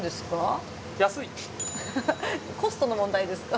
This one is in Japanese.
コストの問題ですか？